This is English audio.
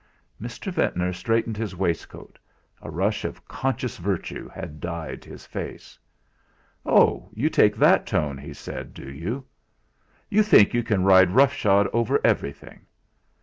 Mr. Ventnor straightened his waistcoat; a rush of conscious virtue had dyed his face. "Oh! you take that tone," he said, "do you? You think you can ride roughshod over everything?